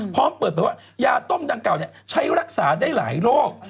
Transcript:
พร้อมเปิดไปว่ายาต้มดังเก่าใช้รักษาได้หลายโรค